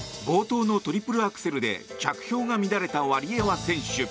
冒頭のトリプルアクセルで着氷が乱れたワリエワ選手。